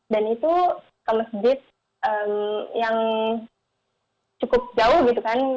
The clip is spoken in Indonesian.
dan itu ke masjid yang cukup jauh gitu kan